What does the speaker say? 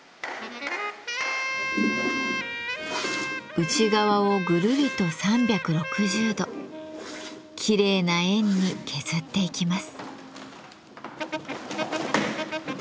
内側をぐるりと３６０度きれいな円に削っていきます。